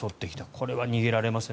これは逃げられません。